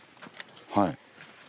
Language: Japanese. はい。